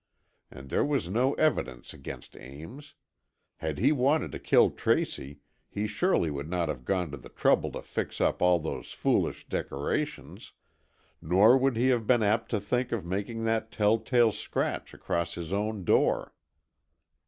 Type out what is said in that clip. And there was no evidence against Ames. Had he wanted to kill Tracy, he surely would not have gone to the trouble to fix up all those foolish decorations, nor would he have been apt to think of making that telltale scratch across his own door.